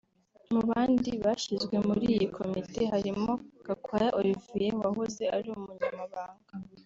Mu bandi bashyizwe muri iyi komite harimo Gakwaya Olivier wahoze ari Umunyamabanga